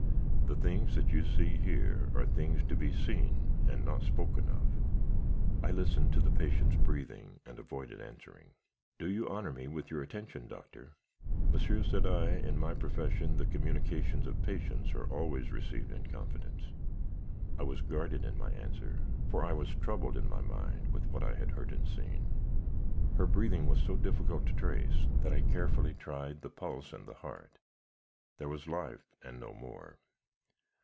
The things that you see here, are things to be seen, and not spoken of.' "I listened to the patient's breathing; and avoided answering. 'Do you honour me with your attention, Doctor?' "'Monsieur,' said I, 'in my profession, the communications of patients are always received in confidence.' I was guarded in my answer, for I was troubled in my mind with what I had heard and seen. "Her breathing was so difficult to trace, that I carefully tried the pulse and the heart. There was life, and no more.